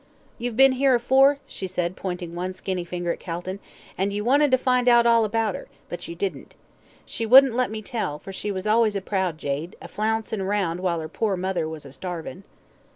"You've been 'ere afore?" she said, pointing one skinny finger at Calton, "and you wanted to find out all about 'er; but you didn't. She wouldn't let me tell, for she was always a proud jade, a flouncin' round while 'er pore mother was a starvin'."